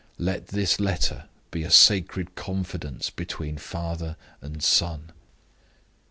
Let this letter be a sacred confidence between father and son.